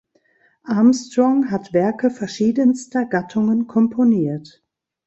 Armstrong hat Werke verschiedenster Gattungen komponiert.